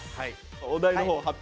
お題のほう発表